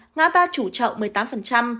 ngã ba chủ trậu một mươi tám